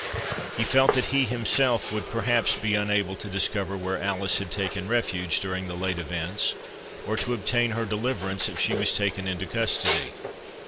He felt that he himself would perhaps be unable to discover where Alice had taken refuge during the late events, or to obtain her deliverance if she was taken into custody.